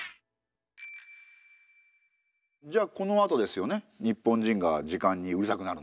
じゃあこのあとですよね日本人が時間にうるさくなるのは。